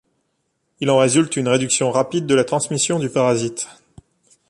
Il en résulte une réduction rapide de la transmission du parasite.